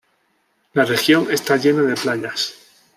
La región está llena de playas.